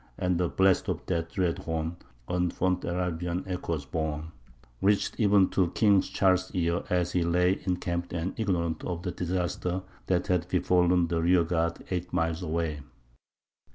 And the blast of that dread horn, On Fontarabian echoes borne, reached even to King Charles's ear as he lay encamped and ignorant of the disaster that had befallen the rear guard eight miles away.